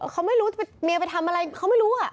เขาไม่รู้เมียไปทำอะไรเขาไม่รู้